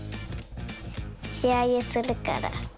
しあげするから。